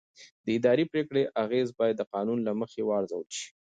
د اداري پرېکړې اغېز باید د قانون له مخې وارزول شي.